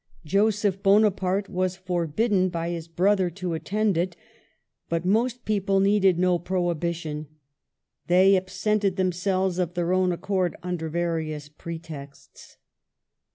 Joseph Bonaparte was for bidden by his brother to attend it ; but most people needed no prohibition, they absented themselves of their own accord under various pretexts.